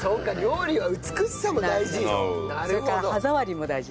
それから歯触りも大事。